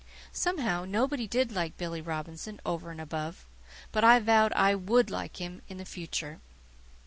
Somehow, nobody did like Billy Robinson over and above. But I vowed I WOULD like him in future.